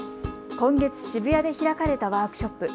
今月、渋谷で開かれたワークショップ。